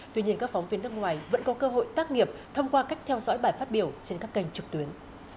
tuy nhiên các phóng viên nước ngoài vẫn có cơ hội tác nghiệp thông qua cách theo dõi bài phát biểu trên các kênh trực tuyến